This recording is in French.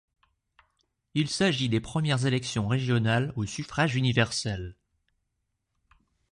Il s'agit des premières élections régionales au suffrage universel.